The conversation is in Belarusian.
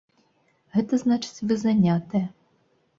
Гэта значыць, вы занятая.